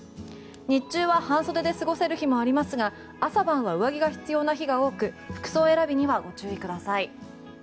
日中は半袖で過ごせる日もありますが朝晩は上着が必要な日が多く服装選びにはご注意ください。